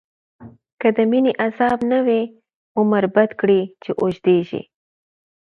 که د مینی عذاب نه وی، عمر بد کړی چی اوږدیږی